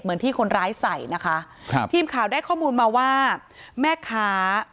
เหมือนที่คนร้ายใส่นะคะครับทีมข่าวได้ข้อมูลมาว่าแม่ค้า